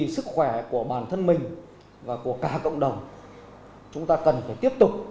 sức khỏe của bản thân mình và của cả cộng đồng chúng ta cần phải tiếp tục